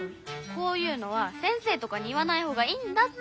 こういうのは先生とかに言わないほうがいいんだって。